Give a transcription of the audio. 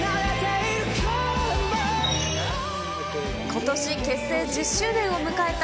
ことし結成１０周年を迎えた